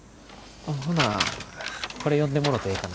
ほなこれ読んでもろてええかな？